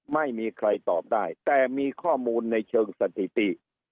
ไม่มีใครตอบได้แต่มีข้อมูลในเชิงสถิติ